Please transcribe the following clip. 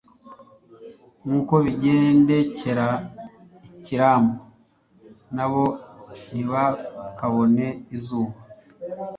nk'uko bigendekera ikirambu, na bo ntibakabone izuba